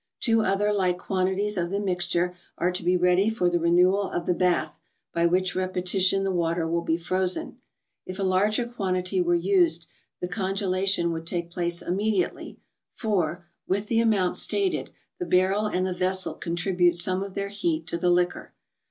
Two other like quantities of the mixture are to be ready for the renewal of the bath, by which repetition the water will be frozen. If a larger quantity were used, the con¬ gelation would take place immediately, for, with the amount stated, the barrel and the vessel contribute some of their heat to the liquor.